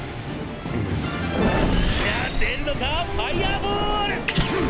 「やっ出るのか⁉ファイヤーボール！！